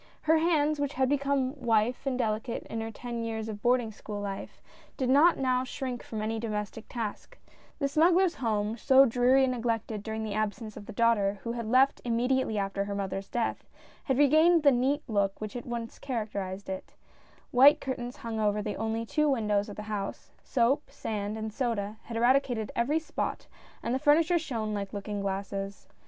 Her hands, which had become white and delicate in her ten years of boarding school life, did not now shrink from any domestic task; the smuggler's home, so dreary and neglected during the absence of the daughter who had left immediately after her mother's death, had regained the neat look which had once characterised it ; white curtains hung over the only two windows of the house — soap, sand and soda, had eradicated every spot, and the furniture shone like looking glasses.